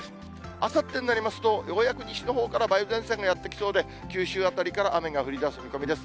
あさってになりますと、ようやく西のほうから梅雨前線がやって来そうで、九州辺りから雨が降りだす見込みです。